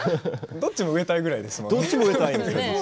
どっちも植えたいぐらいですよね。